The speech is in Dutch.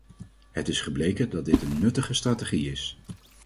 Het is gebleken dat dit een nuttige strategie is.